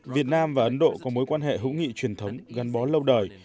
việt nam và ấn độ có mối quan hệ hữu nghị truyền thống gắn bó lâu đời